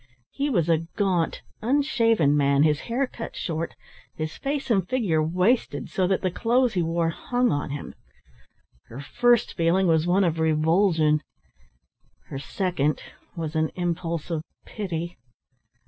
He was a gaunt, unshaven man, his hair cut short, his face and figure wasted, so that the clothes he wore hung on him. Her first feeling was one of revulsion. Her second was an impulse of pity.